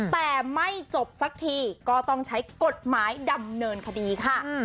แต่ไม่จบสักทีก็ต้องใช้กฎหมายดำเนินคดีค่ะ